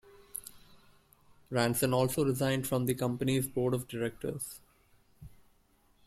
Ranson also resigned from the company's Board of Directors.